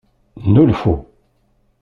Nnulfu.